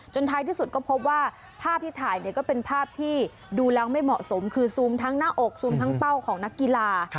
ท้ายที่สุดก็พบว่าภาพที่ถ่ายเนี่ยก็เป็นภาพที่ดูแล้วไม่เหมาะสมคือซูมทั้งหน้าอกซูมทั้งเป้าของนักกีฬา